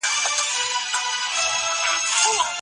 په راتلونکي کي به موږ د توليد نوي طريقې وکاروو.